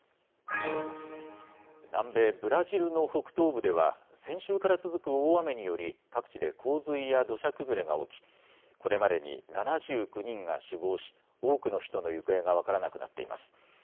南米ブラジルの北東部では、先週から続く大雨により、各地で洪水や土砂崩れが起き、これまでに７９人が死亡し、多くの人の行方が分からなくなっています。